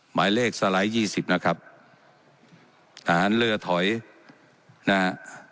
หมายเลขสไลด์ยี่สิบนะครับทหารเรือถอยนะฮะ